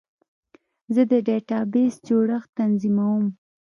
زه د ډیټابیس جوړښت تنظیموم.